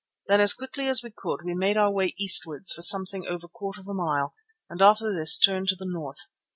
Then as quickly as we could we made our way eastwards for something over a quarter of a mile and after this turned to the north.